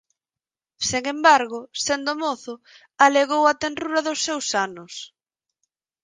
Sen embargo, sendo mozo, alegou a tenrura dos seus anos.